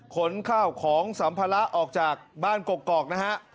ขนข้าวของสัมภาระออกจากบ้านกกอกนะฮะ